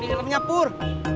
ini helmnya pur